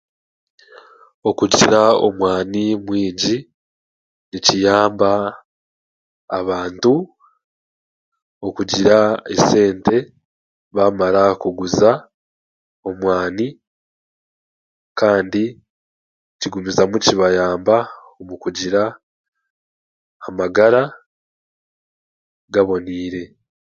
Okugira omwani mwingi nikiyamba abantu okugira esente baamara kuguza omwani kandi kigumizamu kibayamba omu kugira amagara gaboneire